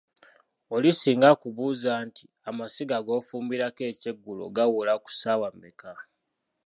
Oli singa akubuuza nti ,amasiga g'ofumbirako ekyeggulo gawola ku ssaawa mmeka?